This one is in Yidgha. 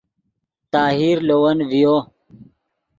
طاہر لے ون ڤیو